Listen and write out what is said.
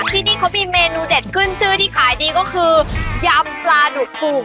ที่นี่เขามีเมนูเด็ดขึ้นชื่อที่ขายดีก็คือยำปลาดุกฟูก